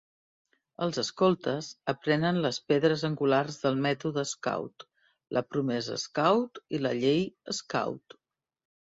Els escoltes aprenen les pedres angulars del mètode Scout, la promesa Scout i la llei Scout.